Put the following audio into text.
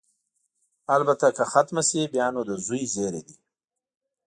البته که ختمه شي، بیا نو د زوی زېری دی.